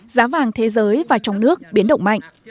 giá vàng thế giới và trong nước biến động mạnh